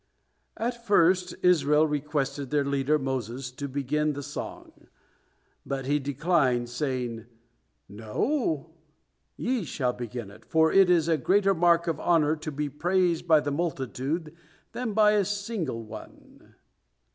At first Israel requested their leader Moses to begin the song, but he declined, saying, "No, ye shall begin it, for it is a greater mark of honor to be praised by the multitude than by a single one."